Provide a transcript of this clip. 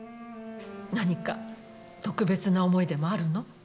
何か特別な思いでもあるの？